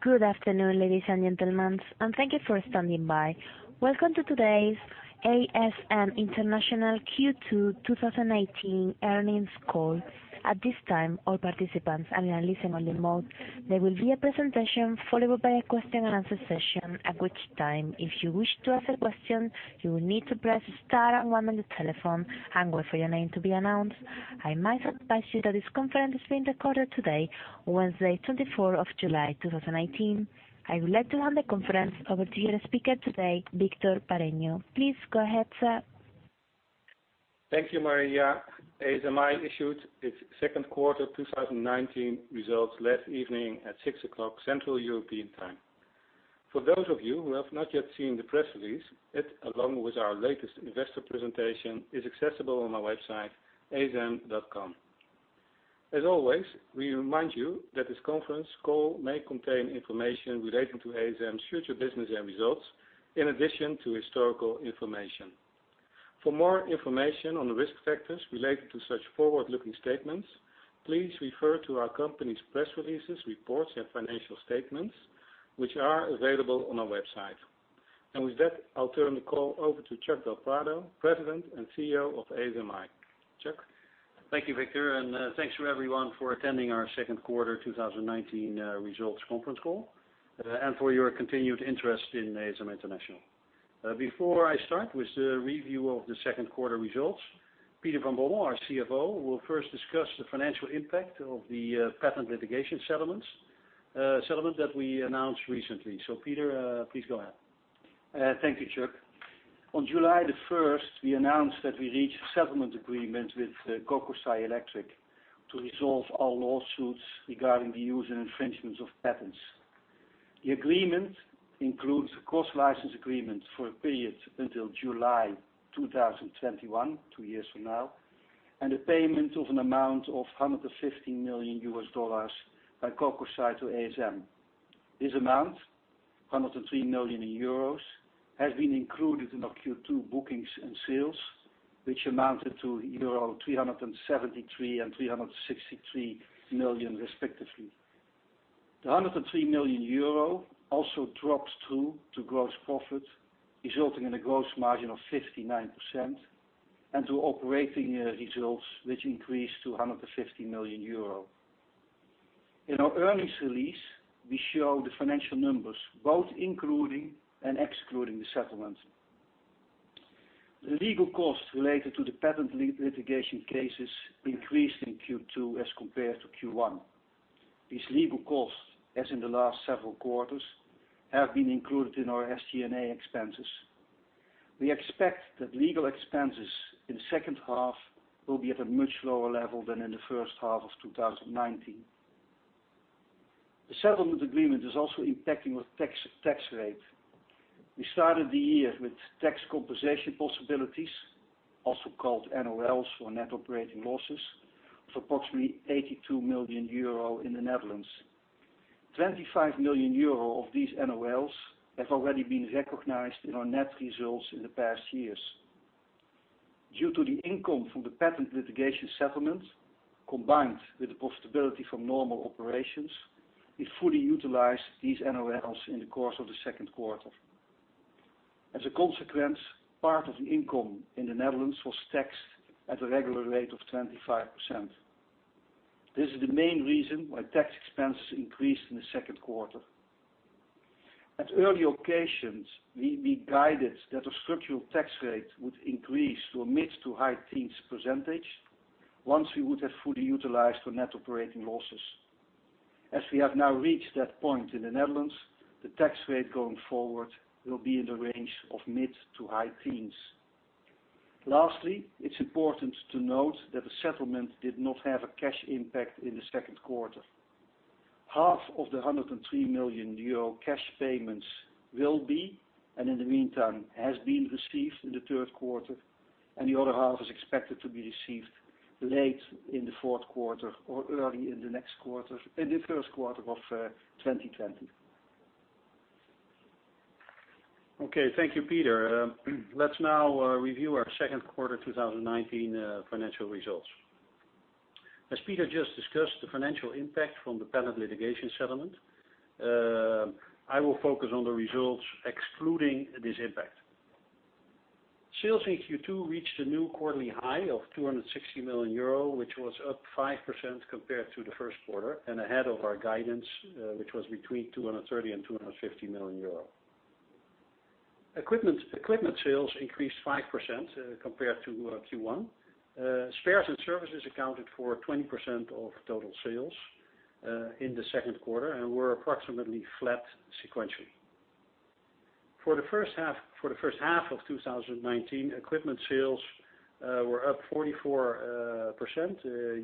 Good afternoon, ladies and gentlemen, and thank you for standing by. Welcome to today's ASM International Q2 2018 earnings call. At this time, all participants and listen on the mode. There will be a presentation followed by a question and answer session. At which time, if you wish to ask a question, you will need to press star and one on the telephone and wait for your name to be announced. I might advise you that this conference is being recorded today, Wednesday, 24th of July, 2019. I would like to hand the conference over to your speaker today, Victor Bareño. Please go ahead, sir. Thank you, Maria. ASMI issued its second quarter 2019 results last evening at six o'clock Central European Time. For those of you who have not yet seen the press release, it along with our latest investor presentation, is accessible on our website, asm.com. As always, we remind you that this conference call may contain information relating to ASM's future business and results, in addition to historical information. For more information on the risk factors related to such forward-looking statements, please refer to our company's press releases, reports, and financial statements, which are available on our website. With that, I'll turn the call over to Chuck del Prado, President and CEO of ASMI. Chuck. Thank you, Victor, and thanks for everyone for attending our second quarter 2019 results conference call, and for your continued interest in ASM International. Before I start with the review of the second quarter results, Peter van Bommel, our CFO, will first discuss the financial impact of the patent litigation settlements, settlement that we announced recently. Peter, please go ahead. Thank you, Chuck. On July the 1st, we announced that we reached a settlement agreement with Kokusai Electric to resolve all lawsuits regarding the use and infringement of patents. The agreement includes a cross-license agreement for a period until July 2021, two years from now, and a payment of an amount of $115 million by Kokusai to ASM. This amount, 103 million euros, has been included in our Q2 bookings and sales, which amounted to euro 373 million and 363 million respectively. The 103 million euro also drops through to gross profit, resulting in a gross margin of 59%, and to operating results, which increased to 150 million euro. In our earnings release, we show the financial numbers, both including and excluding the settlement. The legal costs related to the patent litigation cases increased in Q2 as compared to Q1. These legal costs, as in the last several quarters, have been included in our SG&A expenses. We expect that legal expenses in the second half will be at a much lower level than in the first half of 2019. The settlement agreement is also impacting with tax rate. We started the year with tax compensation possibilities, also called NOLs, or net operating losses, of approximately 82 million euro in the Netherlands. 25 million euro of these NOLs have already been recognized in our net results in the past years. Due to the income from the patent litigation settlement, combined with the profitability from normal operations, we fully utilized these NOLs in the course of the second quarter. As a consequence, part of the income in the Netherlands was taxed at a regular rate of 25%. This is the main reason why tax expenses increased in the second quarter. At early occasions, we guided that a structural tax rate would increase to a mid-to-high teens percentage once we would have fully utilized our net operating losses. As we have now reached that point in the Netherlands, the tax rate going forward will be in the range of mid-to-high teens. Lastly, it is important to note that the settlement did not have a cash impact in the second quarter. Half of the 103 million euro cash payments will be, and in the meantime, has been received in the third quarter, and the other half is expected to be received late in the fourth quarter or early in the first quarter of 2020. Okay. Thank you, Peter. Let's now review our second quarter 2019 financial results. As Peter just discussed the financial impact from the patent litigation settlement, I will focus on the results excluding this impact. Sales in Q2 reached a new quarterly high of 260 million euro, which was up 5% compared to the first quarter, and ahead of our guidance, which was between 230 and 250 million euro. Equipment sales increased 5% compared to Q1. Spares and services accounted for 20% of total sales, in the second quarter, and were approximately flat sequentially. For the first half of 2019, equipment sales were up 44%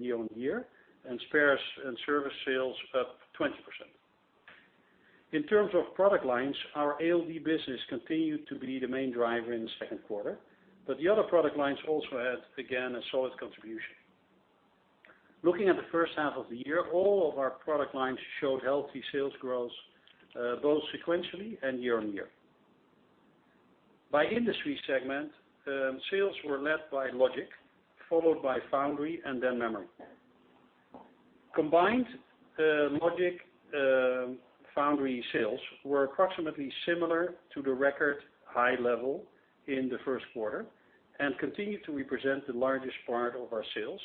year-over-year, and spares and service sales up 20%. In terms of product lines, our ALD business continued to be the main driver in the second quarter, but the other product lines also had, again, a solid contribution. Looking at the first half of the year, all of our product lines showed healthy sales growth, both sequentially and year on year. By industry segment, sales were led by logic, followed by foundry, and then memory. Combined logic foundry sales were approximately similar to the record high level in the first quarter, and continue to represent the largest part of our sales,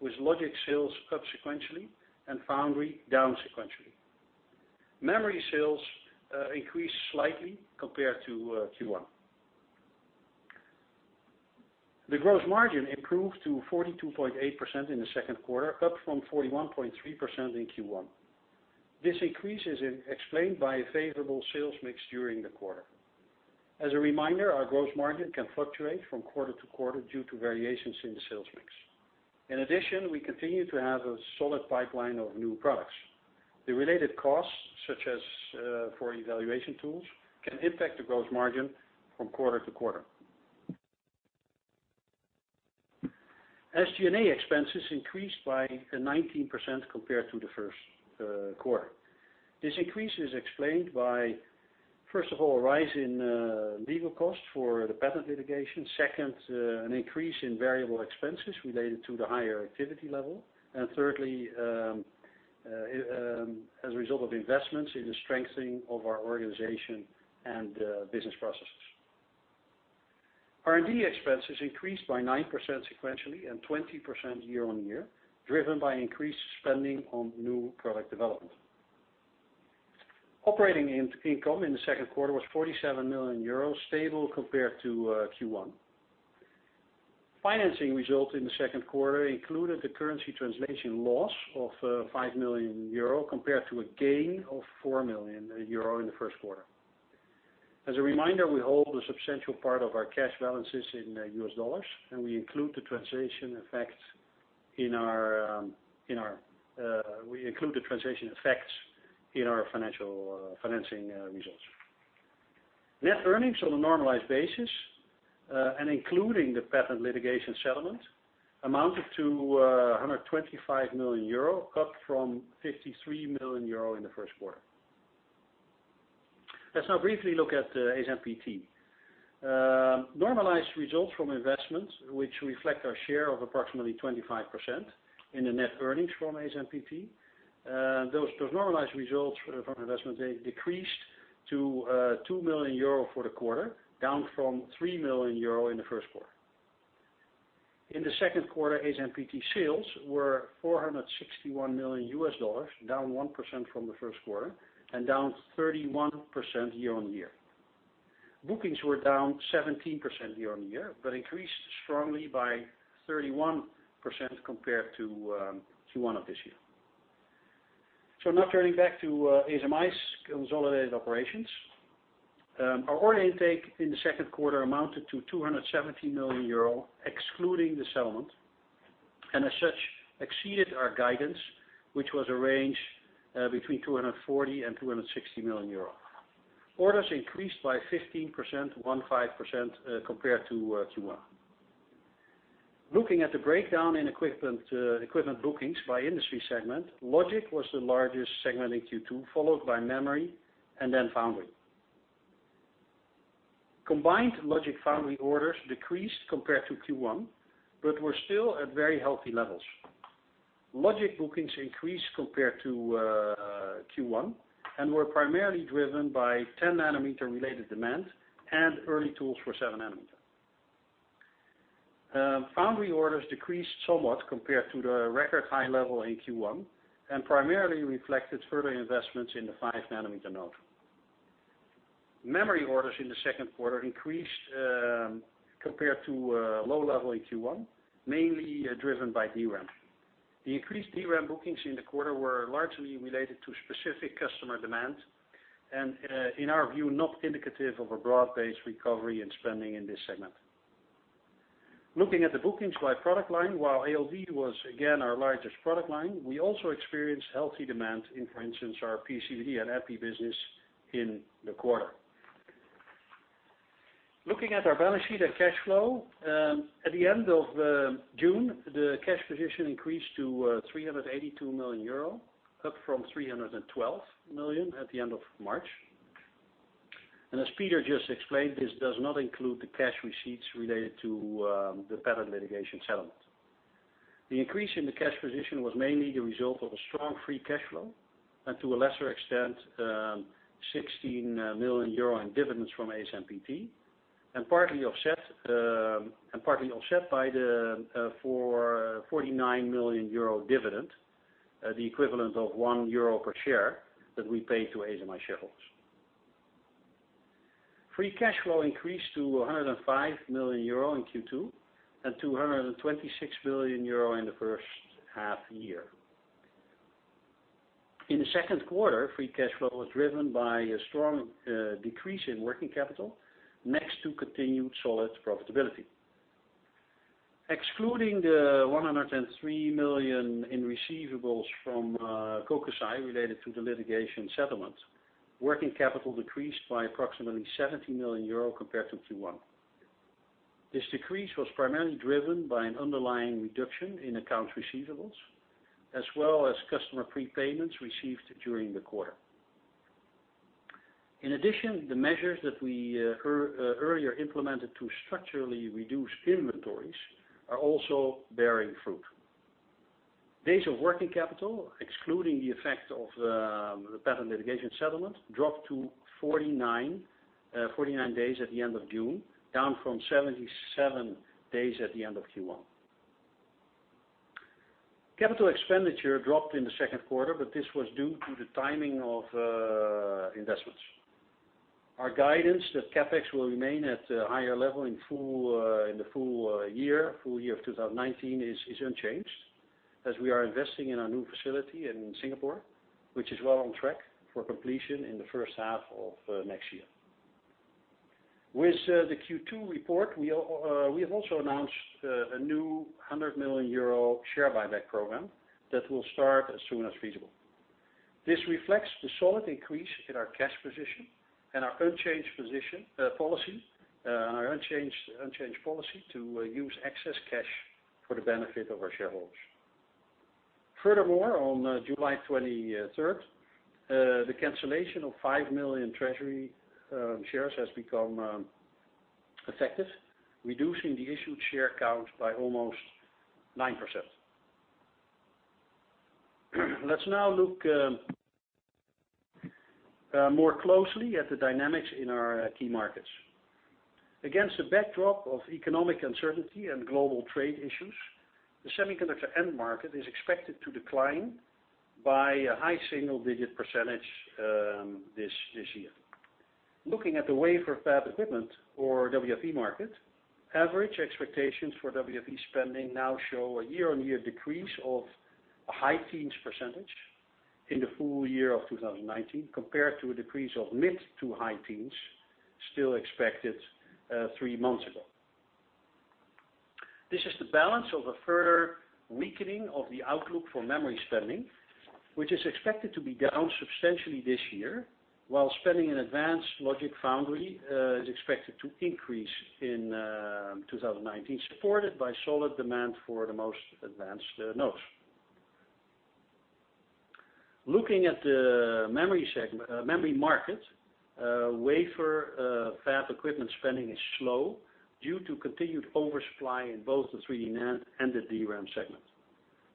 with logic sales up sequentially and foundry down sequentially. Memory sales increased slightly compared to Q1. The gross margin improved to 42.8% in the second quarter, up from 41.3% in Q1. This increase is explained by a favorable sales mix during the quarter. As a reminder, our gross margin can fluctuate from quarter to quarter due to variations in the sales mix. In addition, we continue to have a solid pipeline of new products. The related costs, such as for evaluation tools, can impact the gross margin from quarter to quarter. SG&A expenses increased by 19% compared to the first quarter. This increase is explained by, first of all, a rise in legal costs for the patent litigation. Second, an increase in variable expenses related to the higher activity level. Thirdly, as a result of investments in the strengthening of our organization and business processes. R&D expenses increased by 9% sequentially and 20% year-on-year, driven by increased spending on new product development. Operating income in the second quarter was 47 million euros, stable compared to Q1. Financing result in the second quarter included the currency translation loss of 5 million euro compared to a gain of 4 million euro in the first quarter. As a reminder, we hold a substantial part of our cash balances in U.S. dollars, and we include the translation effects in our financing results. Net earnings on a normalized basis and including the patent litigation settlement amounted to 125 million euro, up from 53 million euro in the first quarter. Let's now briefly look at ASMPT. Normalized results from investments, which reflect our share of approximately 25% in the net earnings from ASMPT. Those normalized results from investments, they decreased to 2 million euro for the quarter, down from 3 million euro in the first quarter. In the second quarter, ASMPT sales were $461 million, down 1% from the first quarter and down 31% year-on-year. Bookings were down 17% year-on-year, but increased strongly by 31% compared to Q1 of this year. Now turning back to ASMI's consolidated operations. Our order intake in the second quarter amounted to 270 million euro, excluding the settlement, and as such, exceeded our guidance, which was a range between 240 million and 260 million euros. Orders increased by 15% compared to Q1. Looking at the breakdown in equipment bookings by industry segment, Logic was the largest segment in Q2, followed by Memory, and then Foundry. Combined Logic Foundry orders decreased compared to Q1, but were still at very healthy levels. Logic bookings increased compared to Q1 and were primarily driven by 10 nanometer related demand and early tools for 7 nanometer. Foundry orders decreased somewhat compared to the record high level in Q1 and primarily reflected further investments in the 5 nanometer node. Memory orders in the second quarter increased, compared to a low level in Q1, mainly driven by DRAM. The increased DRAM bookings in the quarter were largely related to specific customer demand and, in our view, not indicative of a broad-based recovery in spending in this segment. Looking at the bookings by product line, while ALD was again our largest product line, we also experienced healthy demand in, for instance, our PECVD and EPI business in the quarter. Looking at our balance sheet and cash flow. At the end of June, the cash position increased to 382 million euro, up from 312 million at the end of March. As Peter just explained, this does not include the cash receipts related to the patent litigation settlement. The increase in the cash position was mainly the result of a strong free cash flow and to a lesser extent, 16 million euro in dividends from ASMPT, and partly offset by the 49 million euro dividend, the equivalent of 1 euro per share that we paid to ASMI shareholders. Free cash flow increased to 105 million euro in Q2 and 226 million euro in the first half year. In the second quarter, free cash flow was driven by a strong decrease in working capital next to continued solid profitability. Excluding the 103 million in receivables from Kokusai related to the litigation settlement, working capital decreased by approximately 70 million euro compared to Q1. This decrease was primarily driven by an underlying reduction in accounts receivables, as well as customer prepayments received during the quarter. In addition, the measures that we earlier implemented to structurally reduce inventories are also bearing fruit. Days of working capital, excluding the effect of the patent litigation settlement, dropped to 49 days at the end of June, down from 77 days at the end of Q1. Capital expenditure dropped in the second quarter, but this was due to the timing of investments. Our guidance that CapEx will remain at a higher level in the full year of 2019 is unchanged, as we are investing in our new facility in Singapore, which is well on track for completion in the first half of next year. With the Q2 report, we have also announced a new 100 million euro share buyback program that will start as soon as feasible. This reflects the solid increase in our cash position and our unchanged policy to use excess cash for the benefit of our shareholders. Furthermore, on July 23rd, the cancellation of 5 million treasury shares has become effective, reducing the issued share count by almost 9%. Let's now look more closely at the dynamics in our key markets. Against a backdrop of economic uncertainty and global trade issues, the semiconductor end market is expected to decline by a high single-digit percentage this year. Looking at the wafer fab equipment or WFE market, average expectations for WFE spending now show a year-on-year decrease of a high teens percentage in the full year of 2019, compared to a decrease of mid to high teens still expected three months ago. This is the balance of a further weakening of the outlook for memory spending, which is expected to be down substantially this year, while spending in advanced logic foundry is expected to increase in 2019, supported by solid demand for the most advanced nodes. Looking at the memory market, wafer fab equipment spending is slow due to continued oversupply in both the 3D NAND and the DRAM segments.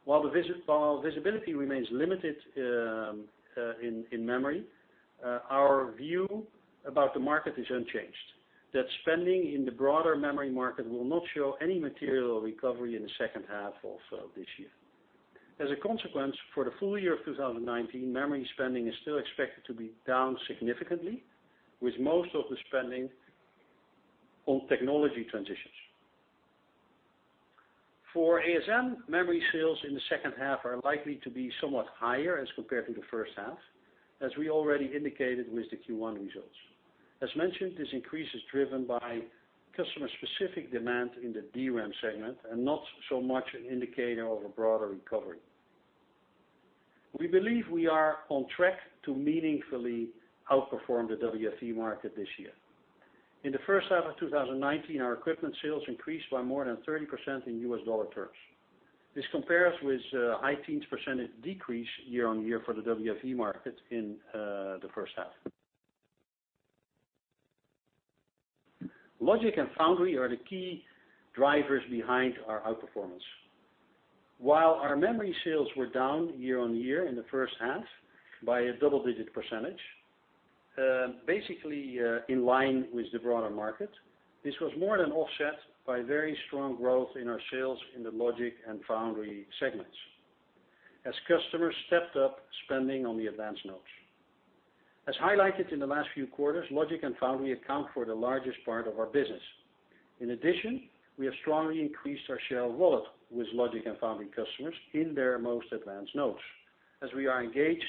While visibility remains limited in memory, our view about the market is unchanged, that spending in the broader memory market will not show any material recovery in the second half of this year. As a consequence, for the full year of 2019, memory spending is still expected to be down significantly, with most of the spending on technology transitions. For ASM, memory sales in the second half are likely to be somewhat higher as compared to the first half, as we already indicated with the Q1 results. As mentioned, this increase is driven by customer-specific demand in the DRAM segment and not so much an indicator of a broader recovery. We believe we are on track to meaningfully outperform the WFE market this year. In the first half of 2019, our equipment sales increased by more than 30% in US dollar terms. This compares with high teens percentage decrease year-on-year for the WFE market in the first half. Logic and foundry are the key drivers behind our outperformance. While our memory sales were down year-on-year in the first half by a double-digit percentage, basically in line with the broader market, this was more than offset by very strong growth in our sales in the logic and foundry segments, as customers stepped up spending on the advanced nodes. As highlighted in the last few quarters, logic and foundry account for the largest part of our business. In addition, we have strongly increased our share of wallet with logic and foundry customers in their most advanced nodes, as we are engaged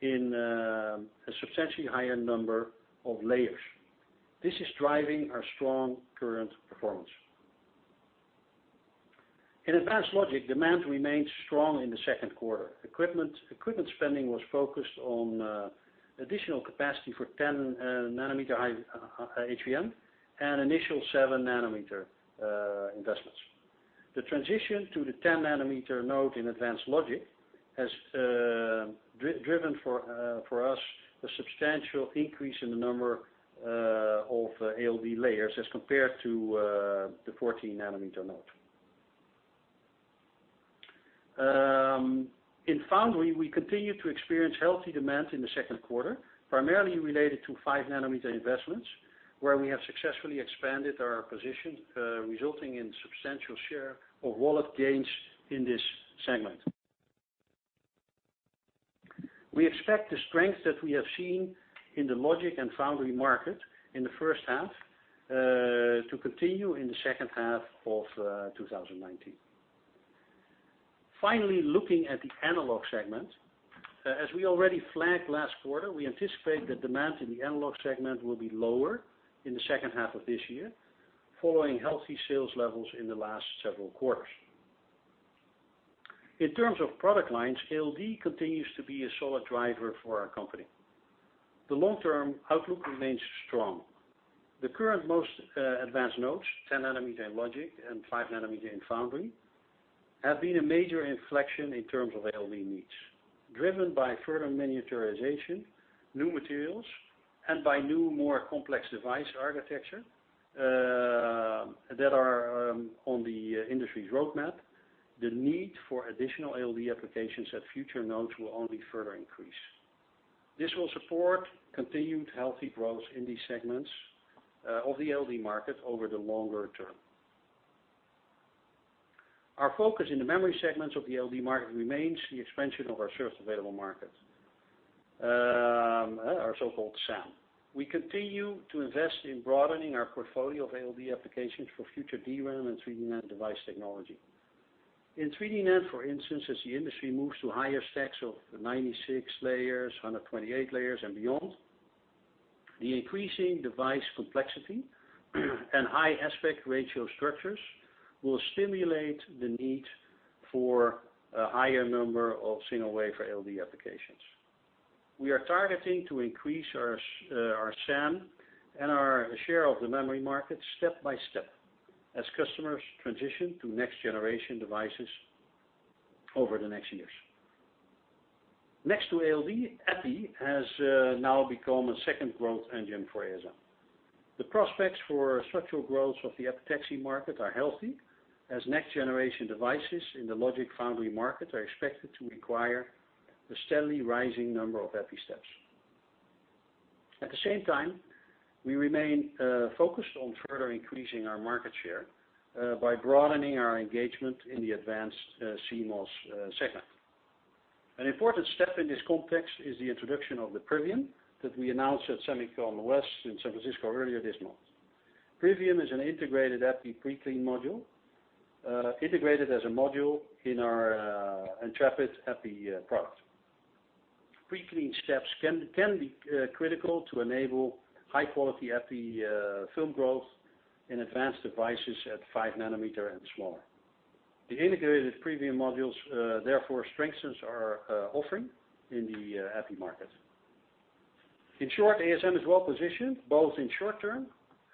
in a substantially higher number of layers. This is driving our strong current performance. In advanced logic, demand remained strong in the second quarter. Equipment spending was focused on additional capacity for 10-nanometer High-K Metal Gate and initial seven-nanometer investments. The transition to the 10-nanometer node in advanced logic has driven for us a substantial increase in the number of ALD layers as compared to the 14-nanometer node. In foundry, we continued to experience healthy demand in the second quarter, primarily related to five-nanometer investments, where we have successfully expanded our position, resulting in substantial share of wallet gains in this segment. We expect the strength that we have seen in the logic and foundry market in the first half to continue in the second half of 2019. Finally, looking at the analog segment. As we already flagged last quarter, we anticipate that demand in the analog segment will be lower in the second half of this year, following healthy sales levels in the last several quarters. In terms of product lines, ALD continues to be a solid driver for our company. The long-term outlook remains strong. The current most advanced nodes, 10 nanometer in logic and five nanometer in foundry, have been a major inflection in terms of ALD needs. Driven by further miniaturization, new materials, and by new, more complex device architecture that are on the industry's roadmap, the need for additional ALD applications at future nodes will only further increase. This will support continued healthy growth in these segments of the ALD market over the longer term. Our focus in the memory segments of the ALD market remains the expansion of our served available markets, our so-called SAM. We continue to invest in broadening our portfolio of ALD applications for future DRAM and 3D NAND device technology. In 3D NAND, for instance, as the industry moves to higher stacks of 96 layers, 128 layers, and beyond, the increasing device complexity and high aspect ratio structures will stimulate the need for a higher number of single wafer ALD applications. We are targeting to increase our SAM and our share of the memory market step by step as customers transition to next-generation devices over the next years. Next to ALD, EPI has now become a second growth engine for ASM. The prospects for structural growth of the epitaxy market are healthy, as next-generation devices in the logic foundry market are expected to require a steadily rising number of EPI steps. At the same time, we remain focused on further increasing our market share by broadening our engagement in the advanced CMOS segment. An important step in this context is the introduction of the Previum that we announced at SEMICON West in San Francisco earlier this month. Previum is an integrated EPI pre-clean module, integrated as a module in our Intrepid EPI product. Pre-clean steps can be critical to enable high-quality EPI film growth in advanced devices at 5 nanometer and smaller. The integrated Previum modules therefore strengthens our offering in the EPI market. In short, ASM is well positioned both in short term,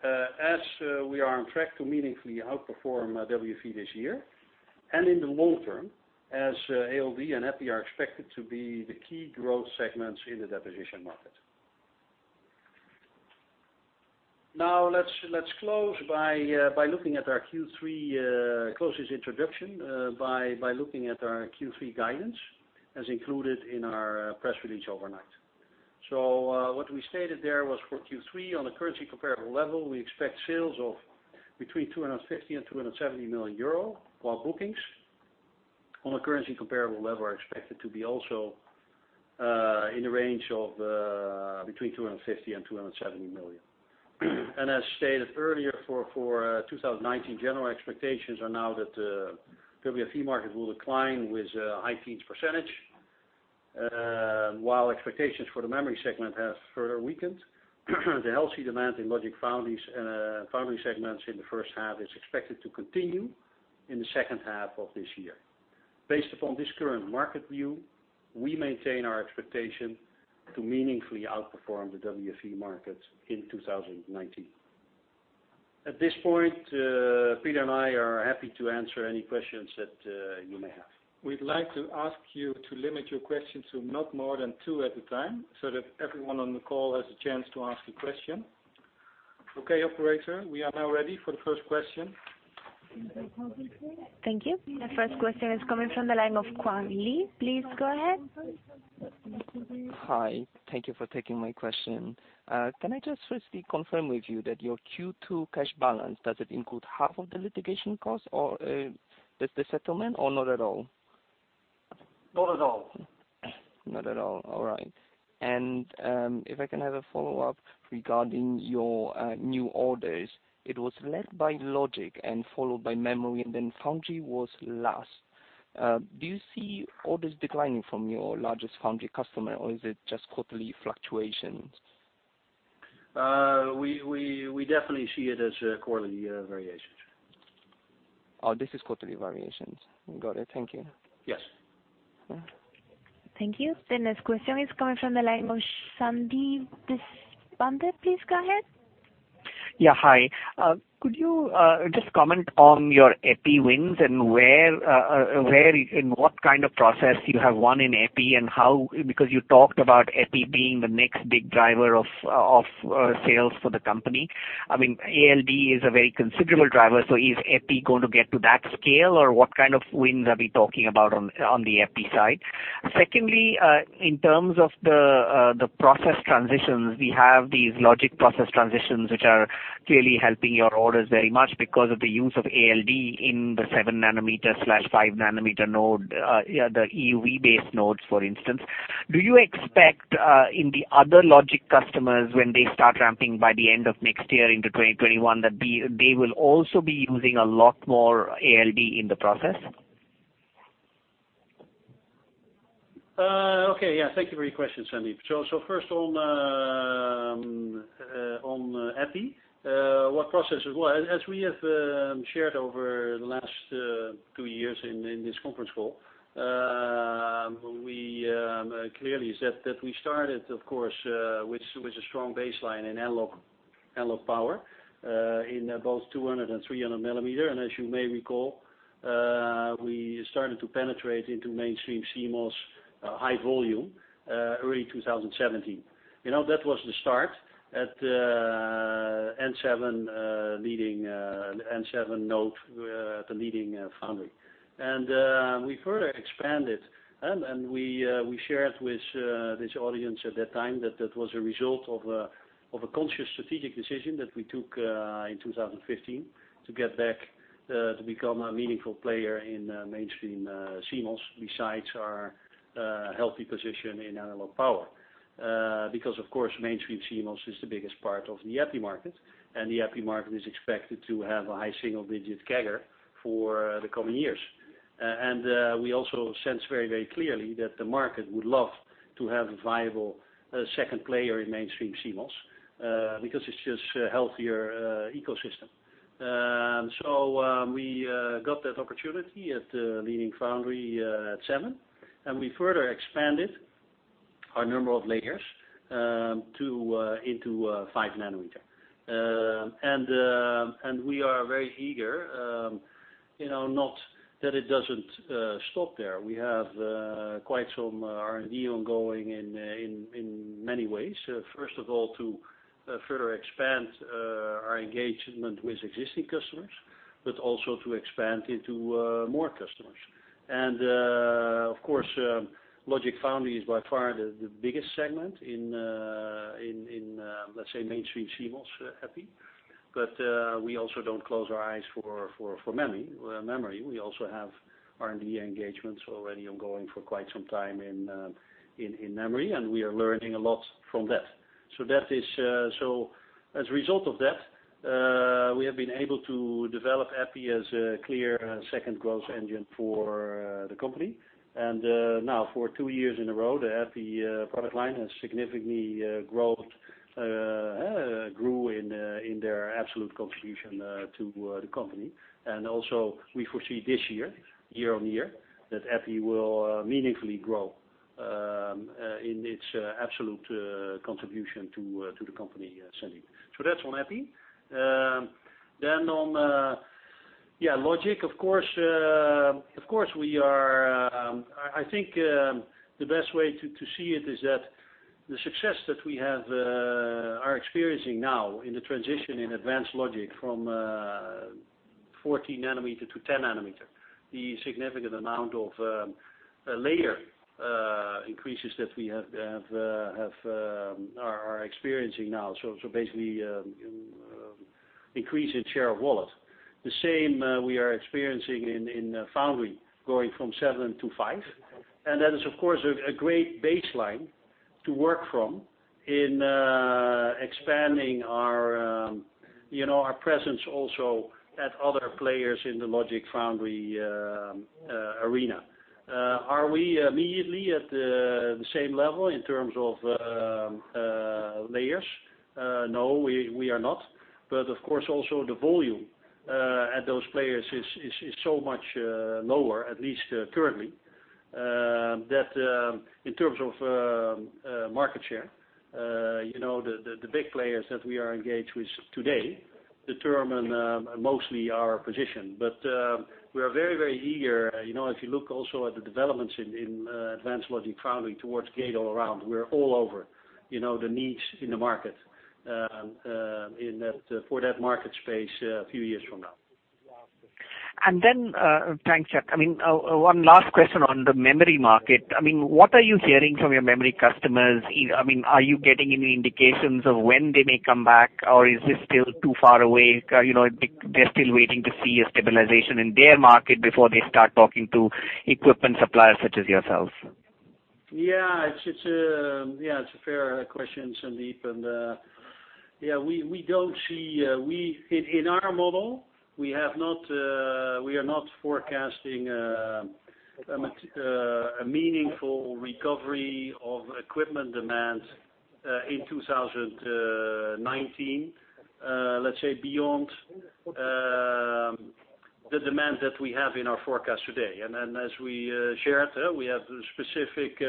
as we are on track to meaningfully outperform WFE this year, and in the long term, as ALD and EPI are expected to be the key growth segments in the deposition market. Let's close this introduction by looking at our Q3 guidance as included in our press release overnight. What we stated there was for Q3, on a currency comparable level, we expect sales of between 250 million and 270 million euro, while bookings on a currency comparable level are expected to be also in the range of between 250 million and 270 million. As stated earlier, for 2019, general expectations are now that the WFE market will decline with high-teens %, while expectations for the memory segment have further weakened. The healthy demand in logic-foundry segments in the first half is expected to continue in the second half of this year. Based upon this current market view, we maintain our expectation to meaningfully outperform the WFE market in 2019. At this point, Peter and I are happy to answer any questions that you may have. We'd like to ask you to limit your questions to not more than two at a time, so that everyone on the call has a chance to ask a question. Okay, operator, we are now ready for the first question. Thank you. The first question is coming from the line of Kwan Lee. Please go ahead. Hi. Thank you for taking my question. Can I just firstly confirm with you that your Q2 cash balance, does it include half of the litigation cost of the settlement, or not at all? Not at all. Not at all. All right. If I can have a follow-up regarding your new orders. It was led by logic and followed by memory, and then foundry was last. Do you see orders declining from your largest foundry customer, or is it just quarterly fluctuations? We definitely see it as quarterly variations. Oh, this is quarterly variations. Got it. Thank you. Yes. Thank you. The next question is coming from the line of Sandeep Deshpande. Please go ahead. Yeah. Hi. Could you just comment on your EPI wins and where, in what kind of process you have won in EPI and how, because you talked about EPI being the next big driver of sales for the company. ALD is a very considerable driver. Is EPI going to get to that scale, or what kind of wins are we talking about on the EPI side? Secondly, in terms of the process transitions, we have these logic process transitions, which are clearly helping your orders very much because of the use of ALD in the seven nanometer/five nanometer node, the EUV-based nodes, for instance. Do you expect, in the other logic customers, when they start ramping by the end of next year into 2021, that they will also be using a lot more ALD in the process? Okay. Yeah, thank you for your question, Sandeep. First on EPI, what processes? As we have shared over the last two years in this conference call, we clearly said that we started, of course, with a strong baseline in analog power, in both 200 and 300 millimeter. As you may recall, we started to penetrate into mainstream CMOS high volume early 2017. That was the start at N7 node, the leading foundry. We further expanded, and we shared with this audience at that time that was a result of a conscious strategic decision that we took in 2015 to get back to become a meaningful player in mainstream CMOS, besides our healthy position in analog power. Of course, mainstream CMOS is the biggest part of the EPI market, and the EPI market is expected to have a high single-digit CAGR for the coming years. We also sense very clearly that the market would love to have a viable second player in mainstream CMOS, because it is just a healthier ecosystem. We got that opportunity at leading foundry at 7, and we further expanded our number of layers into 5 nanometer. We are very eager, not that it does not stop there. We have quite some R&D ongoing in many ways. First of all, to further expand our engagement with existing customers, but also to expand into more customers. Of course, logic foundry is by far the biggest segment in, let us say, mainstream CMOS Epi. We also do not close our eyes for memory. We also have R&D engagements already ongoing for quite some time in memory, and we are learning a lot from that. As a result of that, we have been able to develop EPI as a clear second growth engine for the company. Now for two years in a row, the EPI product line has significantly grew in their absolute contribution to the company. Also we foresee this year-on-year, that EPI will meaningfully grow in its absolute contribution to the company, Sandeep. That's on EPI. On logic, of course, I think the best way to see it is that the success that we are experiencing now in the transition in advanced logic from 14 nanometer to 10 nanometer, the significant amount of layer increases that we are experiencing now. Basically, increase in share of wallet. The same we are experiencing in foundry, going from seven to five. That is of course a great baseline to work from in expanding our presence also at other players in the logic foundry arena. Are we immediately at the same level in terms of layers? No, we are not. Of course, also the volume at those players is so much lower, at least currently, that in terms of market share the big players that we are engaged with today determine mostly our position. We are very eager. If you look also at the developments in advanced logic foundry towards gate-all-around, we're all over the niche in the market for that market space a few years from now. Thanks, Chuck. One last question on the memory market. What are you hearing from your memory customers? Are you getting any indications of when they may come back, or is this still too far away? They're still waiting to see a stabilization in their market before they start talking to equipment suppliers such as yourselves. Yeah, it's a fair question, Sandeep. In our model, we are not forecasting a meaningful recovery of equipment demand in 2019. Let's say beyond the demand that we have in our forecast today. As we shared, we have specific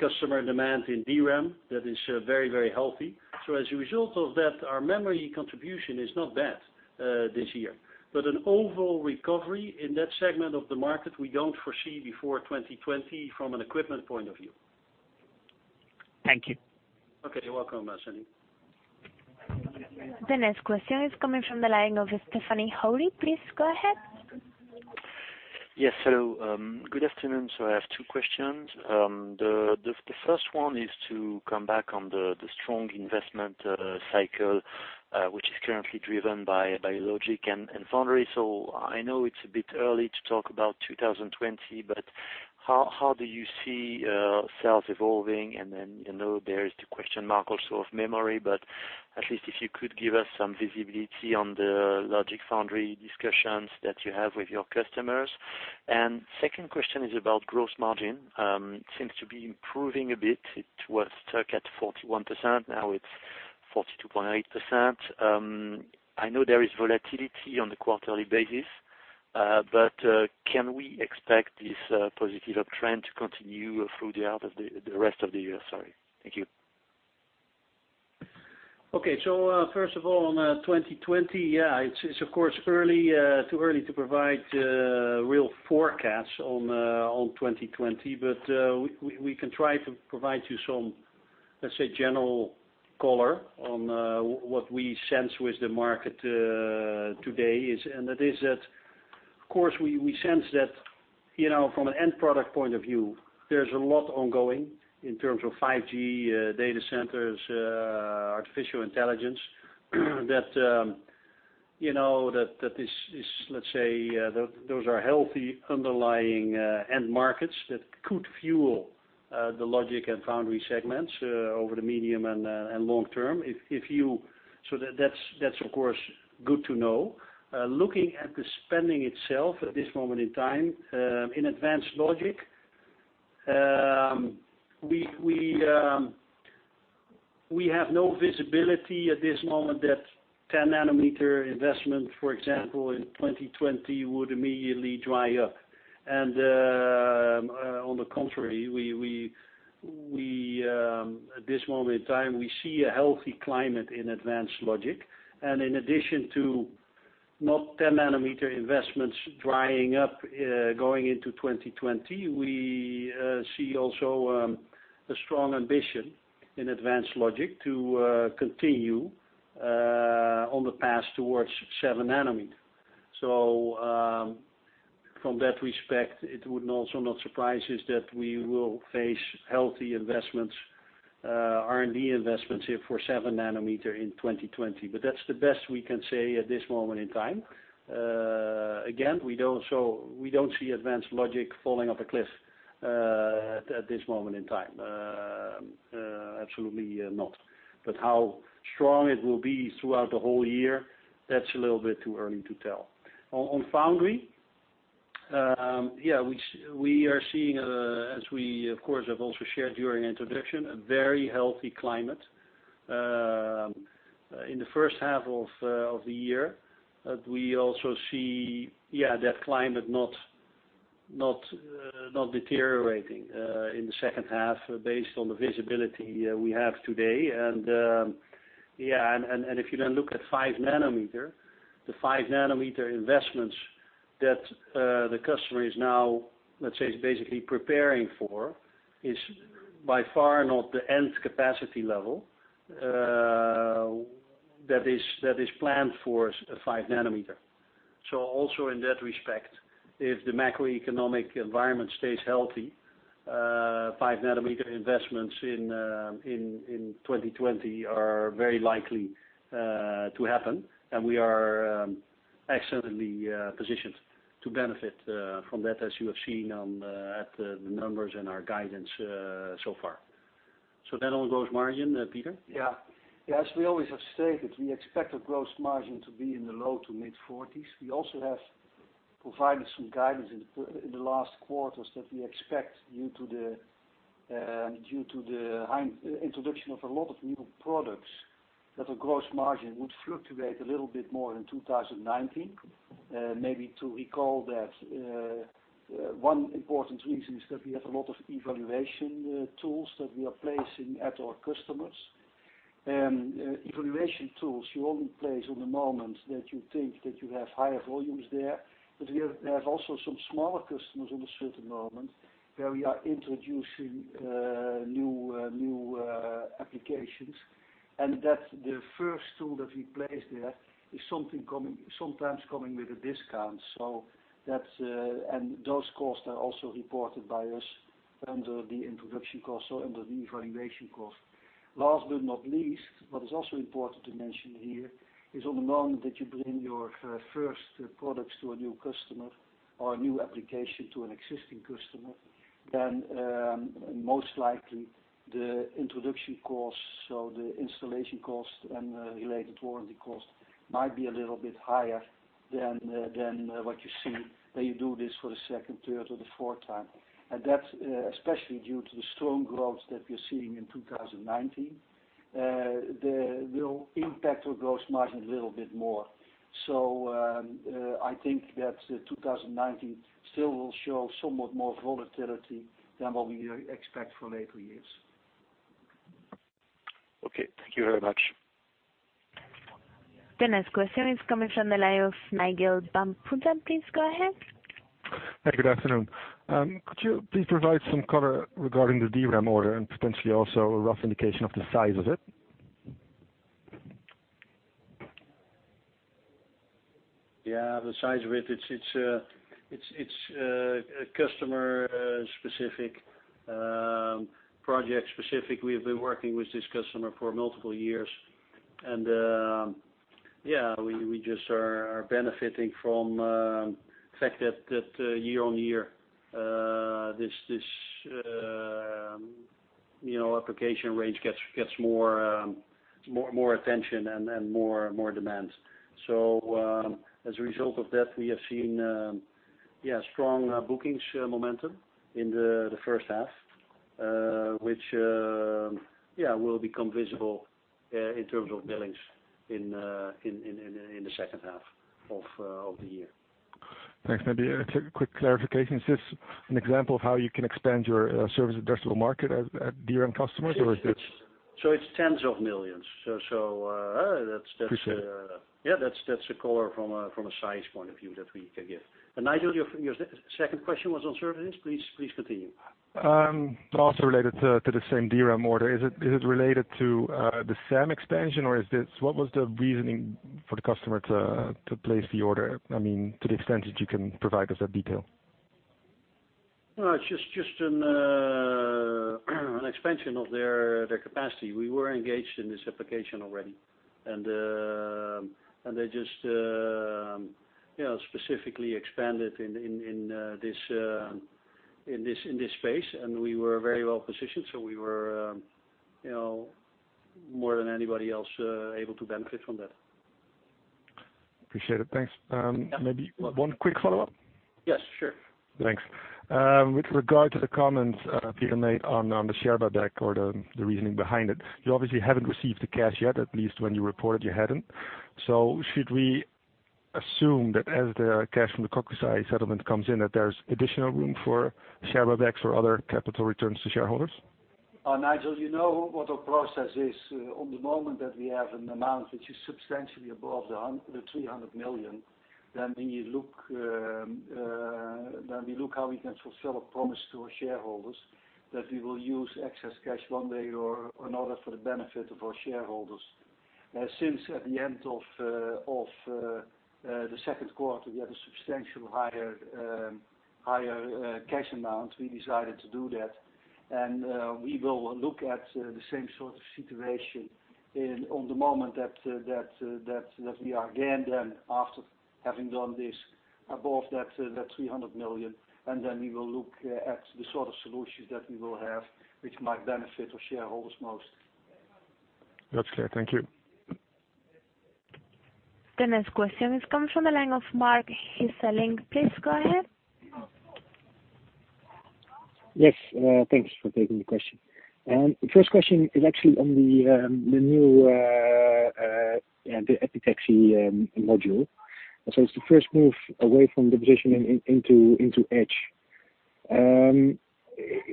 customer demand in DRAM that is very healthy. As a result of that, our memory contribution is not bad this year. An overall recovery in that segment of the market, we don't foresee before 2020 from an equipment point of view. Thank you. Okay, you're welcome, Sandeep. The next question is coming from the line of Stephanie Holley. Please go ahead. Yes, hello. Good afternoon. I have two questions. The first one is to come back on the strong investment cycle, which is currently driven by logic and foundry. I know it's a bit early to talk about 2020, how do you see sales evolving? There is the question mark also of memory. At least if you could give us some visibility on the logic foundry discussions that you have with your customers. Second question is about gross margin. Seems to be improving a bit. It was stuck at 41%, now it's 42.8%. I know there is volatility on the quarterly basis, can we expect this positive trend to continue through the rest of the year? Sorry. Thank you. First of all, on 2020, it's of course too early to provide real forecasts on 2020. We can try to provide you some, let's say, general color on what we sense with the market today is. That is that, of course, we sense that from an end product point of view, there's a lot ongoing in terms of 5G data centers, artificial intelligence. That this is, let's say, those are healthy underlying end markets that could fuel the logic and foundry segments, over the medium and long term. That's of course good to know. Looking at the spending itself at this moment in time, in advanced logic, we have no visibility at this moment that 10 nanometer investment, for example, in 2020 would immediately dry up. On the contrary, at this moment in time we see a healthy climate in advanced logic. In addition to not 10 nanometer investments drying up, going into 2020, we see also a strong ambition in advanced logic to continue on the path towards seven nanometer. From that respect, it would also not surprise us that we will face healthy R&D investments here for seven nanometer in 2020. That's the best we can say at this moment in time. Again, we don't see advanced logic falling off a cliff at this moment in time. Absolutely not. How strong it will be throughout the whole year, that's a little bit too early to tell. On foundry, we are seeing, as we of course have also shared during introduction, a very healthy climate. In the first half of the year, we also see that climate not deteriorating in the second half based on the visibility we have today. If you then look at 5 nanometer, the 5 nanometer investments that the customer is now, let's say, is basically preparing for, is by far not the end capacity level that is planned for 5 nanometer. Also in that respect, if the macroeconomic environment stays healthy, 5 nanometer investments in 2020 are very likely to happen. We are excellently positioned to benefit from that as you have seen at the numbers and our guidance so far. That on gross margin, Peter? Yeah. As we always have stated, we expect our gross margin to be in the low to mid 40s. We also have provided some guidance in the last quarters that we expect due to the introduction of a lot of new products, that our gross margin would fluctuate a little bit more in 2019. Maybe to recall that one important reason is that we have a lot of evaluation tools that we are placing at our customers. Evaluation tools you only place on the moment that you think that you have higher volumes there. We have also some smaller customers on a certain moment where we are introducing new applications. That the first tool that we place there is sometimes coming with a discount. Those costs are also reported by us under the introduction cost or under the evaluation cost. Last but not least, what is also important to mention here is on the moment that you bring your first products to a new customer or a new application to an existing customer, then most likely the introduction costs, so the installation cost and related warranty cost might be a little bit higher than what you see when you do this for the second, third, or the fourth time. That's especially due to the strong growth that we're seeing in 2019. They will impact our gross margin a little bit more. I think that 2019 still will show somewhat more volatility than what we expect for later years. Okay. Thank you very much. The next question is coming from the line of Nigel Bambrough. Please go ahead. Good afternoon. Could you please provide some color regarding the DRAM order and potentially also a rough indication of the size of it? Yeah. The size of it's a customer-specific, project-specific. We have been working with this customer for multiple years. Yeah. We just are benefiting from the fact that year-on-year, this application range gets more attention and more demands. As a result of that, we have seen strong bookings momentum in the first half, which will become visible in terms of billings in the second half of the year. Thanks. Maybe a quick clarification. Is this an example of how you can expand your service addressable market at DRAM customers? It's EUR tens of millions. Appreciate it. Yeah, that's a call from a size point of view that we can give. Nigel, your second question was on services. Please continue. Also related to the same DRAM order. Is it related to the SAM expansion, or what was the reasoning for the customer to place the order, to the extent that you can provide us that detail? Well, it's just an expansion of their capacity. We were engaged in this application already. They just specifically expanded in this space, and we were very well positioned. We were, more than anybody else, able to benefit from that. Appreciate it. Thanks. Maybe one quick follow-up. Yes. Sure. Thanks. With regard to the comments Peter made on the share buyback or the reasoning behind it. You obviously haven't received the cash yet, at least when you reported you hadn't. Should we assume that as the cash from the Kokusai settlement comes in, that there's additional room for share buybacks or other capital returns to shareholders? Nigel, you know what our process is. On the moment that we have an amount which is substantially above 300 million, we look how we can fulfill a promise to our shareholders, that we will use excess cash one way or another for the benefit of our shareholders. Since at the end of the second quarter, we have a substantially higher cash amount. We decided to do that, we will look at the same sort of situation on the moment that we are again then, after having done this above that 300 million, we will look at the sort of solutions that we will have which might benefit our shareholders most. That's clear. Thank you. The next question is coming from the line of Mark Hisseling. Please go ahead. Yes. Thanks for taking the question. The first question is actually on the new epitaxy module. It's the first move away from deposition into etch.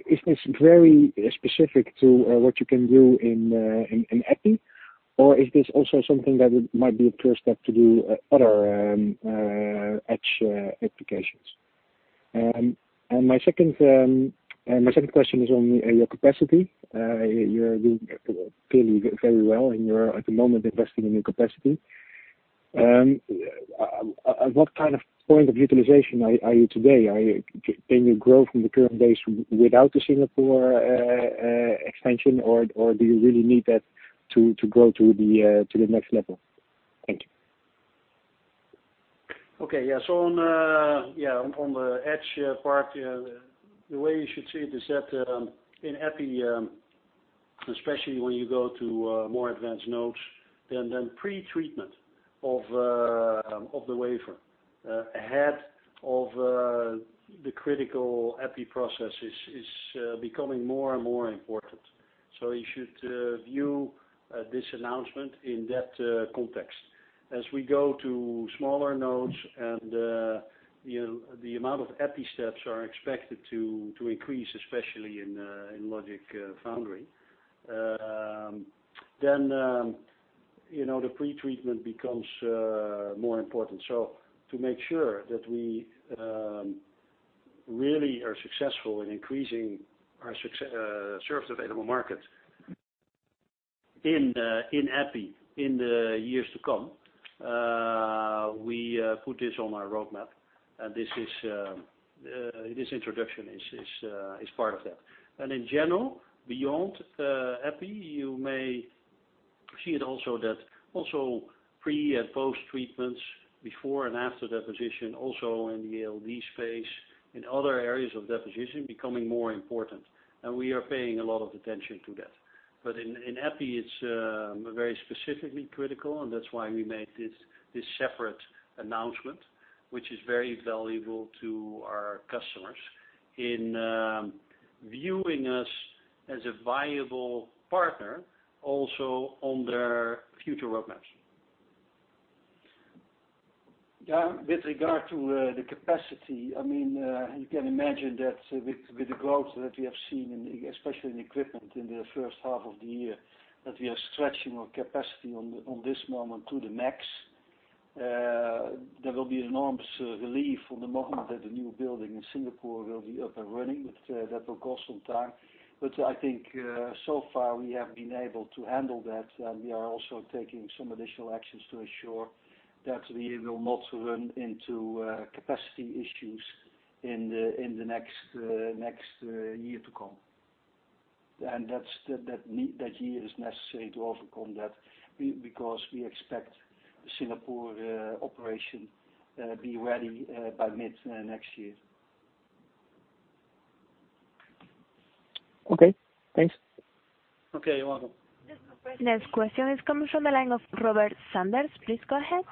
Is this very specific to what you can do in EPI? Is this also something that might be a first step to do other etch applications? My second question is on your capacity. You're doing clearly very well and you're at the moment investing in your capacity. At what kind of point of utilization are you today? Can you grow from the current base without the Singapore expansion, or do you really need that to grow to the next level? Thank you. Okay. Yeah. On the etch part, the way you should see it is that in EPI, especially when you go to more advanced nodes, pre-treatment of the wafer, ahead of the critical EPI processes is becoming more and more important. You should view this announcement in that context. As we go to smaller nodes and the amount of EPI steps are expected to increase, especially in logic foundry. The pre-treatment becomes more important. To make sure that we really are successful in increasing our serviceable available market in EPI in the years to come, we put this on our roadmap. This introduction is part of that. In general, beyond EPI, you may see it also that also pre and post-treatments before and after deposition, also in the ALD space, in other areas of deposition, becoming more important. We are paying a lot of attention to that. In EPI, it's very specifically critical and that's why we made this separate announcement, which is very valuable to our customers in viewing us as a viable partner, also on their future roadmaps. With regard to the capacity, you can imagine that with the growth that we have seen, especially in equipment in the first half of the year, that we are stretching our capacity on this moment to the max. There will be enormous relief on the moment that the new building in Singapore will be up and running, but that will cost some time. I think so far we have been able to handle that, and we are also taking some additional actions to ensure that we will not run into capacity issues in the next year to come. That year is necessary to overcome that, because we expect Singapore operation be ready by mid next year. Okay, thanks. Okay, you're welcome. Next question is coming from the line of Robert Sanders. Please go ahead.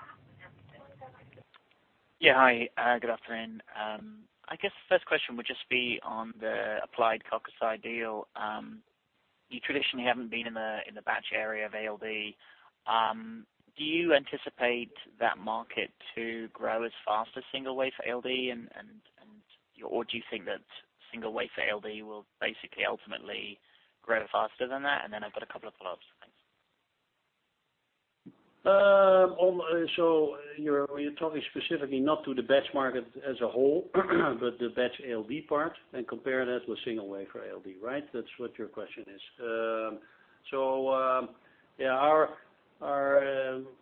Yeah, hi. Good afternoon. I guess the first question would just be on the Applied Kokusai deal. You traditionally haven't been in the batch area of ALD. Do you anticipate that market to grow as fast as single wafer ALD? Do you think that single wafer ALD will basically ultimately grow faster than that? I've got a couple of follow-ups. Thanks. You're talking specifically not to the batch market as a whole, but the batch ALD part and compare that with single wafer ALD, right? That's what your question is. Yeah,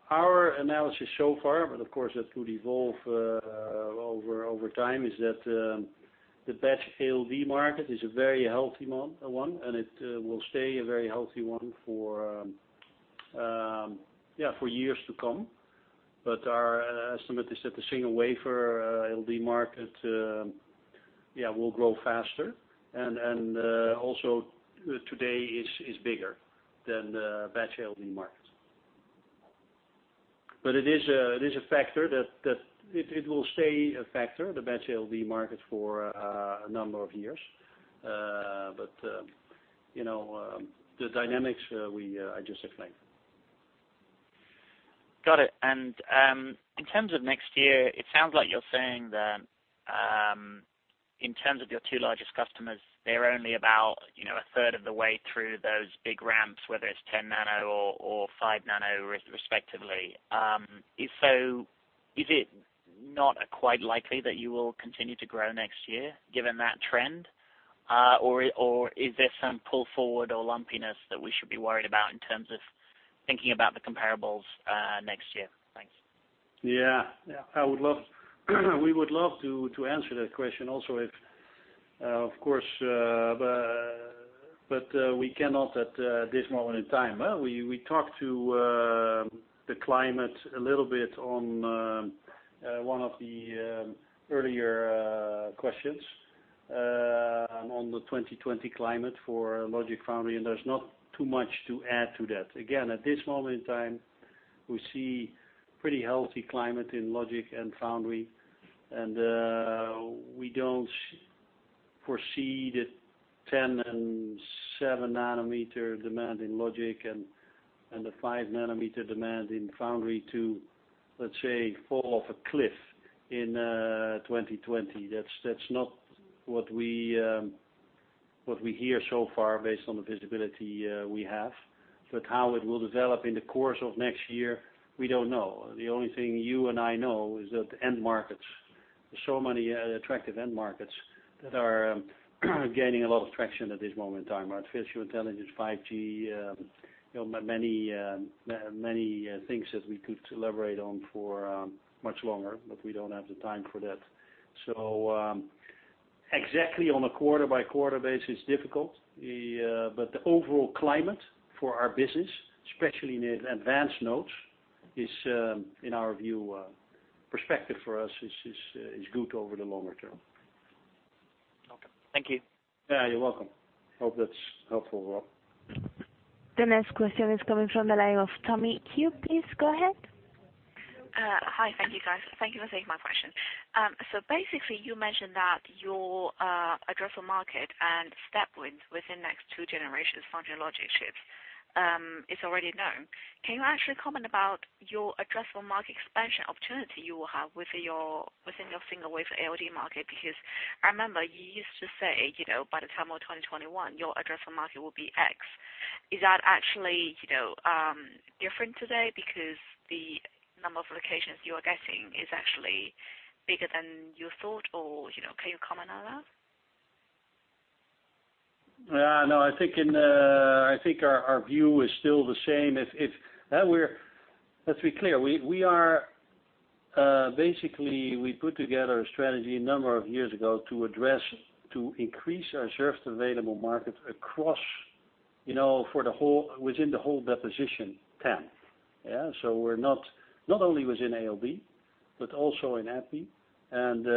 our analysis so far, but of course that could evolve over time, is that the batch ALD market is a very healthy one, and it will stay a very healthy one for years to come. Our estimate is that the single wafer ALD market will grow faster and also today is bigger than the batch ALD market. It is a factor that it will stay a factor, the batch ALD market, for a number of years. The dynamics I just explained. Got it. In terms of next year, it sounds like you're saying that in terms of your two largest customers, they're only about a third of the way through those big ramps, whether it's 10 nano or 5 nano, respectively. If so, is it not quite likely that you will continue to grow next year, given that trend? Is there some pull forward or lumpiness that we should be worried about in terms of thinking about the comparables next year? Thanks. Yeah. We would love to answer that question also if, of course, but we cannot at this moment in time. We talked about the climate a little bit on one of the earlier questions, on the 2020 climate for Logic Foundry. There's not too much to add to that. Again, at this moment in time, we see pretty healthy climate in Logic and Foundry. We don't foresee the 10 and 7 nanometer demand in Logic and the 5 nanometer demand in Foundry to, let's say, fall off a cliff in 2020. That's not what we hear so far based on the visibility we have. How it will develop in the course of next year, we don't know. The only thing you and I know is that end markets, so many attractive end markets that are gaining a lot of traction at this moment in time. Artificial intelligence, 5G, many things that we could elaborate on for much longer, but we don't have the time for that. Exactly on a quarter-by-quarter base is difficult. The overall climate for our business, especially in advanced nodes, is in our view, perspective for us is good over the longer term. Okay. Thank you. Yeah, you're welcome. Hope that's helpful, Rob. The next question is coming from the line of Tammy Qiu, please go ahead. Hi. Thank you, guys. Thank you for taking my question. Basically, you mentioned that your addressable market and step wins within next two generations, foundry and logic chips, is already known. Can you actually comment about your addressable market expansion opportunity you will have within your single wafer ALD market? I remember you used to say, by the time of 2021, your addressable market will be X. Is that actually different today because the number of locations you are getting is actually bigger than you thought, or can you comment on that? No, I think our view is still the same. Let's be clear. We put together a strategy a number of years ago to increase our served available market within the whole deposition TAM. Yeah? Not only within ALD, but also in EPI and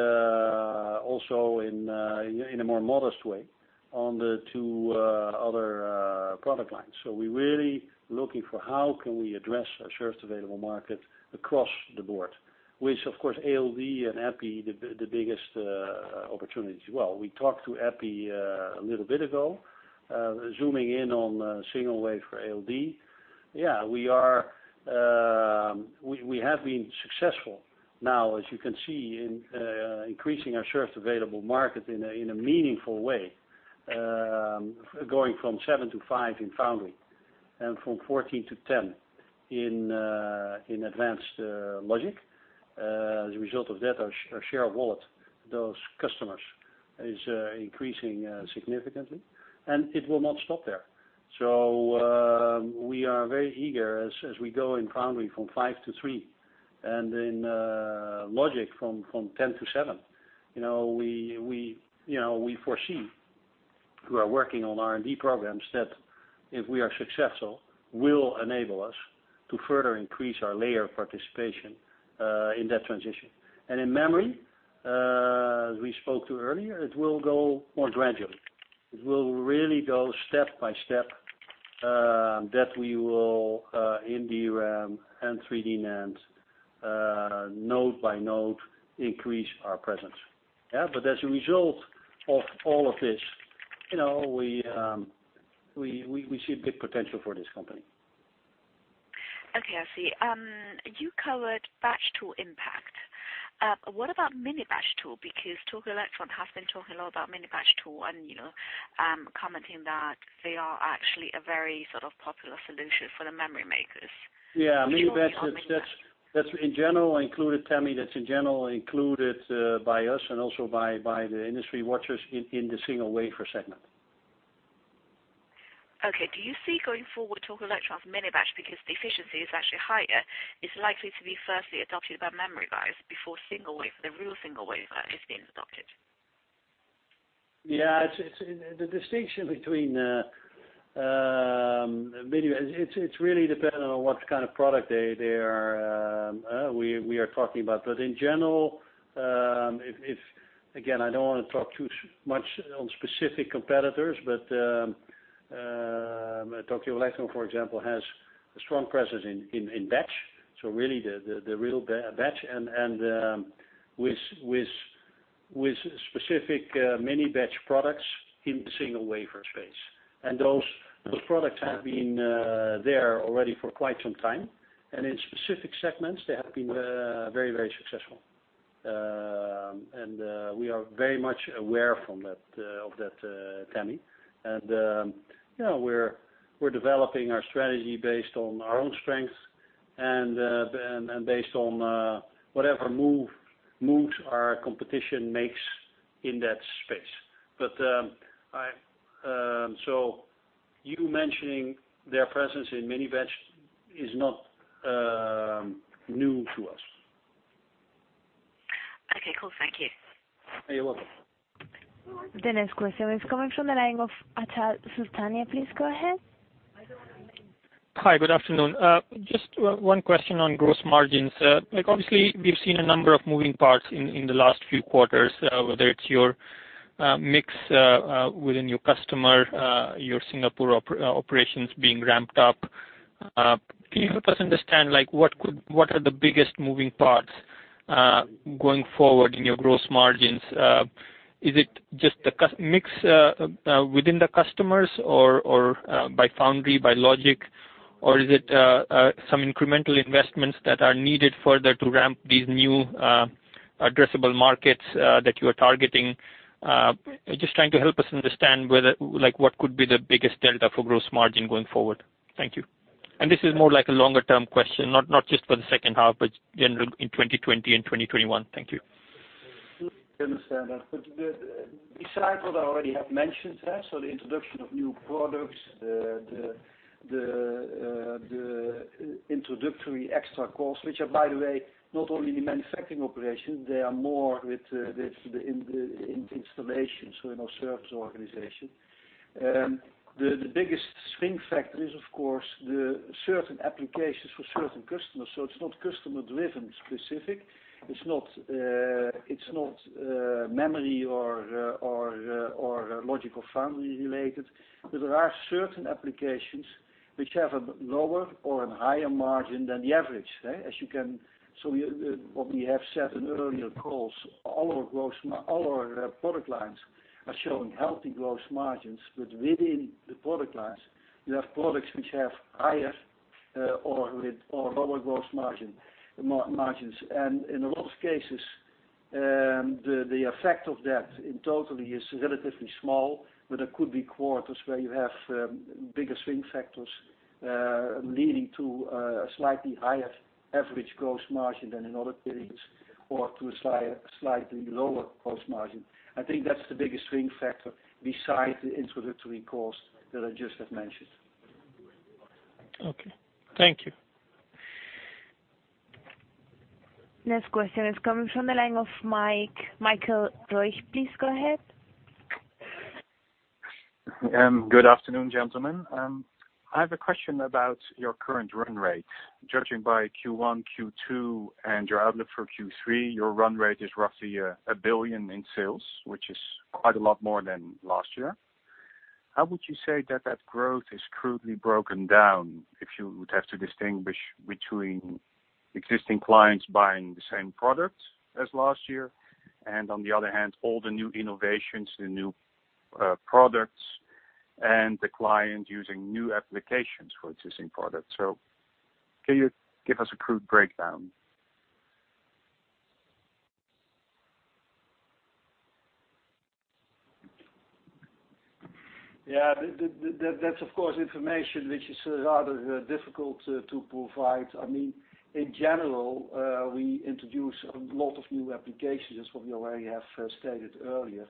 also in a more modest way on the two other product lines. We're really looking for how can we address our served available market across the board, which of course, ALD and EPI, the biggest opportunity. Well, we talked through EPI a little bit ago. Zooming in on single wafer ALD, yeah, we have been successful now, as you can see, in increasing our served available market in a meaningful way. Going from seven to five in Foundry and from 14 to 10 in advanced Logic. As a result of that, our share of wallet, those customers, is increasing significantly, and it will not stop there. Very eager as we go in foundry from 5 to 3, and in logic from 10 to 7. We foresee, who are working on R&D programs, that if we are successful, will enable us to further increase our layer of participation in that transition. In memory, as we spoke to earlier, it will go more gradually. It will really go step by step, that we will, in DRAM and 3D NAND, node by node, increase our presence. As a result of all of this, we see a big potential for this company. Okay, I see. You covered batch tool impact. What about minibatch tool? Tokyo Electron has been talking a lot about minibatch tool and commenting that they are actually a very popular solution for the memory makers. Can you comment on minibatch? That's in general included, Tammy, by us and also by the industry watchers in the single wafer segment. Okay. Do you see going forward, Tokyo Electron's minibatch, because the efficiency is actually higher, is likely to be firstly adopted by memory buyers before the real single wafer is being adopted? Yeah. The distinction between minibatch, it's really dependent on what kind of product we are talking about. In general, again, I don't want to talk too much on specific competitors, but Tokyo Electron, for example, has a strong presence in batch, so really the real batch, and with specific minibatch products in the single wafer space. Those products have been there already for quite some time. In specific segments, they have been very successful. We are very much aware of that, Tammy. We are developing our strategy based on our own strengths and based on whatever moves our competition makes in that space. You mentioning their presence in minibatch is not new to us. Okay, cool. Thank you. You're welcome. The next question is coming from the line of Achal Sultania. Please go ahead. Hi. Good afternoon. Just one question on gross margins. Obviously, we've seen a number of moving parts in the last few quarters, whether it's your mix within your customer, your Singapore operations being ramped up. Can you help us understand what are the biggest moving parts going forward in your gross margins? Is it just the mix within the customers or by foundry, by logic, or is it some incremental investments that are needed further to ramp these new addressable markets that you are targeting? Just trying to help us understand what could be the biggest delta for gross margin going forward. Thank you. This is more like a longer-term question, not just for the second half, but general in 2020 and 2021. Thank you. I understand that. Besides what I already have mentioned there, so the introduction of new products, the introductory extra costs, which are, by the way, not only in the manufacturing operation, they are more in the installation, so in our service organization. The biggest swing factor is, of course, the certain applications for certain customers. It's not customer-driven specific. It's not memory or logical foundry related. There are certain applications which have a lower or a higher margin than the average. What we have said in earlier calls, all our product lines are showing healthy gross margins. Within the product lines, you have products which have higher or lower gross margins. In a lot of cases, the effect of that in total is relatively small, but there could be quarters where you have bigger swing factors leading to a slightly higher average gross margin than in other periods, or to a slightly lower gross margin. I think that's the biggest swing factor besides the introductory cost that I just have mentioned. Okay. Thank you. Next question is coming from the line of Michael Deuch. Please go ahead. Good afternoon, gentlemen. I have a question about your current run rate. Judging by Q1, Q2, and your outlook for Q3, your run rate is roughly 1 billion in sales, which is quite a lot more than last year. How would you say that growth is crudely broken down, if you would have to distinguish between existing clients buying the same product as last year, and on the other hand, all the new innovations, the new products, and the client using new applications for existing products? Can you give us a crude breakdown? Yeah, that's of course information which is rather difficult to provide. In general, we introduce a lot of new applications from what we already have stated earlier.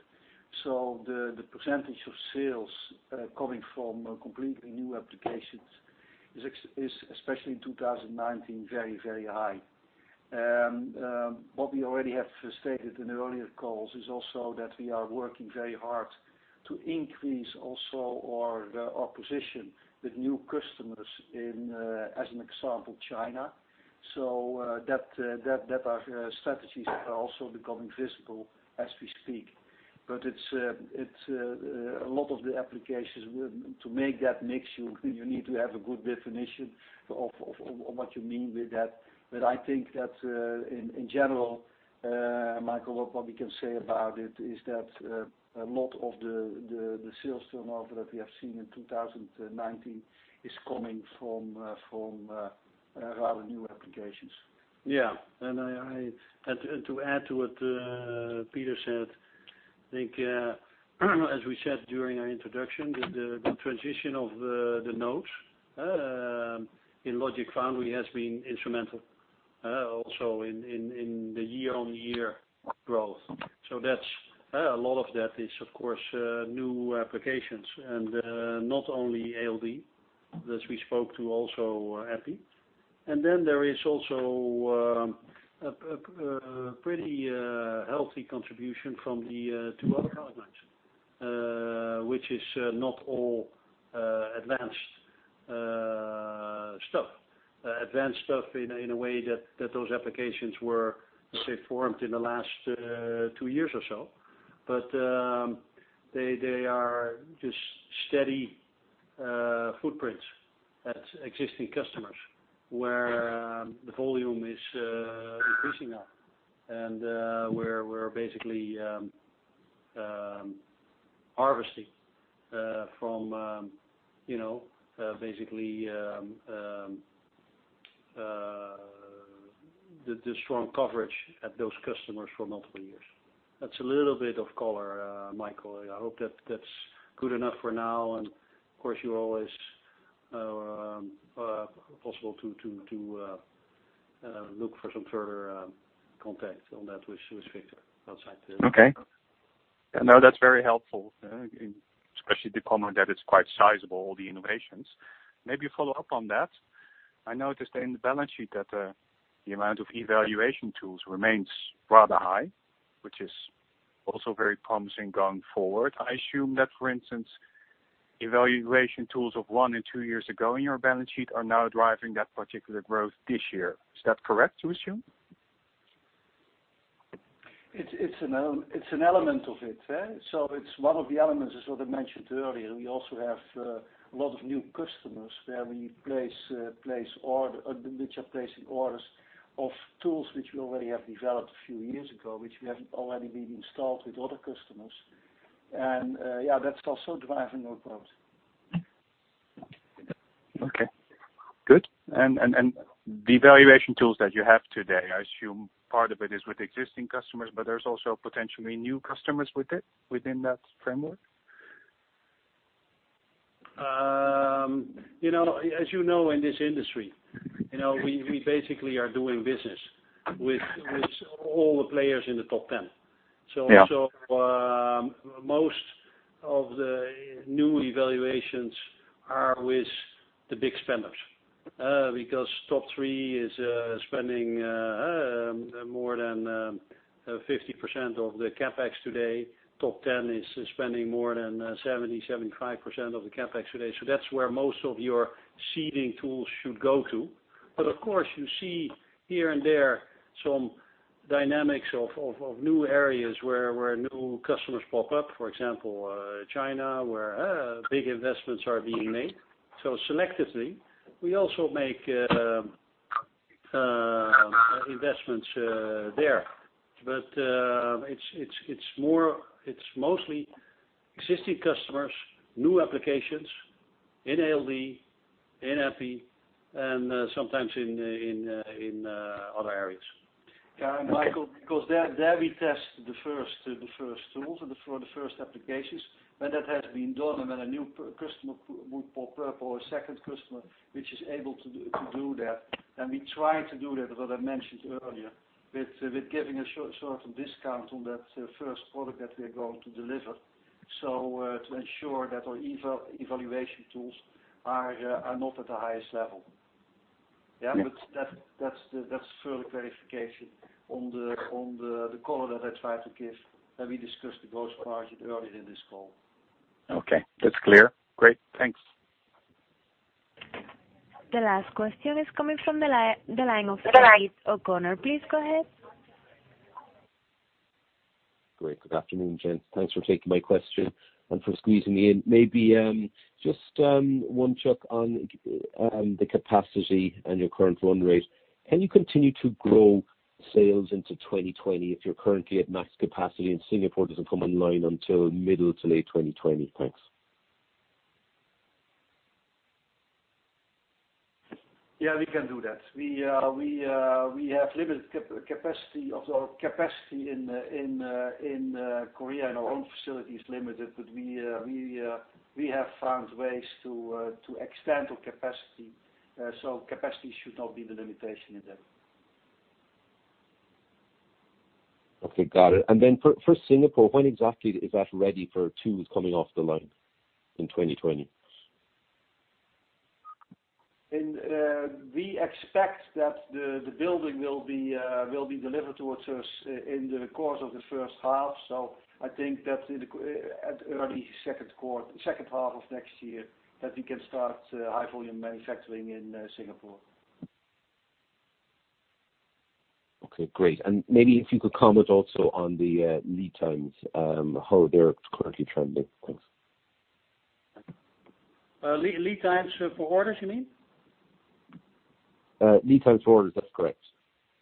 The percentage of sales coming from completely new applications is especially in 2019, very high. What we already have stated in the earlier calls is also that we are working very hard to increase also our position with new customers in, as an example, China. Those strategies are also becoming visible as we speak. A lot of the applications, to make that mix, you need to have a good definition of what you mean by that. I think that, in general, Michael, what we can say about it is that a lot of the sales turnover that we have seen in 2019 is coming from rather new applications. Yeah. To add to what Pieter said, I think as we said during our introduction, the transition of the nodes in logic foundry has been instrumental also in the year-on-year growth. A lot of that is, of course, new applications and not only ALD, as we spoke to also EPI. There is also a pretty healthy contribution from the two other product lines, which is not all advanced stuff. Advanced stuff in a way that those applications were, say, formed in the last two years or so. They are just steady footprints at existing customers where the volume is increasing now and where we're basically harvesting from basically the strong coverage at those customers for multiple years. That's a little bit of color, Michael. I hope that's good enough for now, and of course, you always possible to look for some further context on that with Victor. Okay. No, that's very helpful. Especially the comment that it's quite sizable, all the innovations. Maybe a follow-up on that. I noticed in the balance sheet that the amount of evaluation tools remains rather high, which is also very promising going forward. I assume that, for instance, evaluation tools of one and two years ago in your balance sheet are now driving that particular growth this year. Is that correct to assume? It's an element of it. It's one of the elements, as what I mentioned earlier, we also have a lot of new customers which are placing orders of tools which we already have developed a few years ago, which we have already been installed with other customers. Yeah, that's also driving our growth. Okay, good. The evaluation tools that you have today, I assume part of it is with existing customers, but there's also potentially new customers within that framework? As you know, in this industry, we basically are doing business with all the players in the top 10. Yeah. Most of the new evaluations are with the big spenders. Top 3 is spending more than 50% of the CapEx today. Top 10 is spending more than 70%, 75% of the CapEx today. That's where most of your seeding tools should go to. Of course, you see here and there some dynamics of new areas where new customers pop up. For example, China, where big investments are being made. Selectively, we also make investments there. It's mostly existing customers, new applications in ALD, in EPI, and sometimes in other areas. Yeah, Michael, because there we test the first tools for the first applications. When that has been done and when a new customer would pop up or a second customer, which is able to do that, we try to do that, as what I mentioned earlier, with giving a certain discount on that first product that we are going to deliver to ensure that our evaluation tools are not at the highest level. Yeah. Yeah, that's further clarification on the call that I tried to give when we discussed the gross margin earlier in this call. Okay. That's clear. Great. Thanks. The last question is coming from the line of Keith O'Connor. Please go ahead. Great. Good afternoon, gents. Thanks for taking my question and for squeezing me in. Maybe just one check on the capacity and your current run rate. Can you continue to grow sales into 2020 if you're currently at max capacity and Singapore doesn't come online until middle to late 2020? Thanks. We can do that. We have limited capacity in Korea and our own facility is limited, but we have found ways to extend our capacity. Capacity should not be the limitation in that. Okay, got it. For Singapore, when exactly is that ready for tools coming off the line in 2020? We expect that the building will be delivered to us in the course of the first half. I think that in early second half of next year, that we can start high-volume manufacturing in Singapore. Okay, great. Maybe if you could comment also on the lead times, how they're currently trending. Thanks. Lead times for orders, you mean? Lead times for orders. That's correct.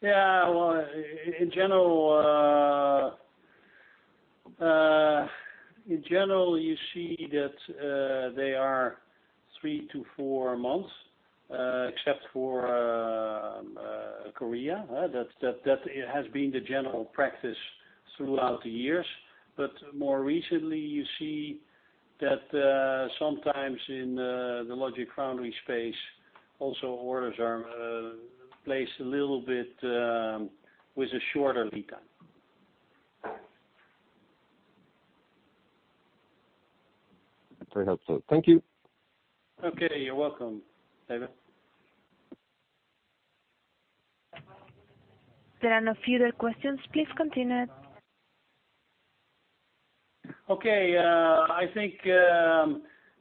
In general, you see that they are three to four months, except for Korea. That has been the general practice throughout the years. More recently, you see that sometimes in the logic foundry space, also orders are placed a little bit, with a shorter lead time. Very helpful. Thank you. Okay, you're welcome. David. There are no further questions. Please continue. Okay. I think,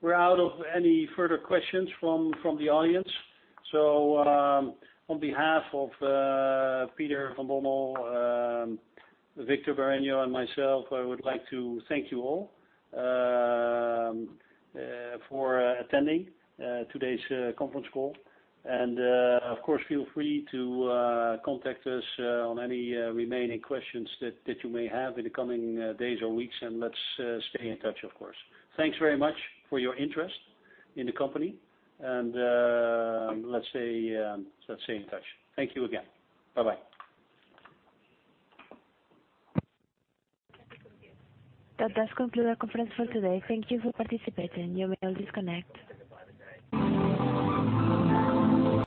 we're out of any further questions from the audience. On behalf of Peter van Bommel, Victor Bareño, and myself, I would like to thank you all for attending today's conference call. Of course, feel free to contact us on any remaining questions that you may have in the coming days or weeks, and let's stay in touch, of course. Thanks very much for your interest in the company, and let's stay in touch. Thank you again. Bye-bye. That does conclude our conference for today. Thank you for participating. You may all disconnect.